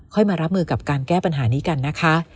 มารับมือกับการแก้ปัญหานี้กันนะคะ